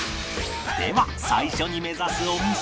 では最初に目指すお店は